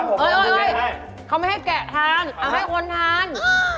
เฮ้ยเขาไม่ให้แกะทานเอาให้คนทาน